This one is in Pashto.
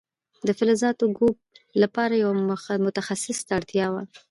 د فلزاتو د کوب لپاره یو متخصص ته اړتیا وه.